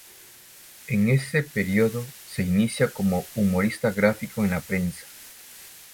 En ese periodo se inicia como humorista gráfico en la prensa.